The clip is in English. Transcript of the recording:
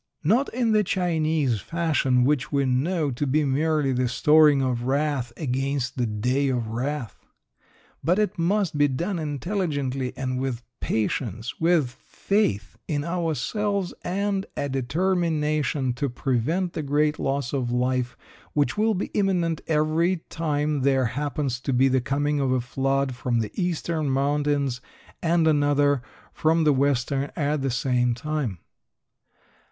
Not in the Chinese fashion, which we know to be merely the storing of wrath against the day of wrath, but it must be done intelligently and with patience, with faith in ourselves and a determination to prevent the great loss of life which will be imminent every time there happens to be the coming of a flood from the eastern mountains and another from the western at the same time.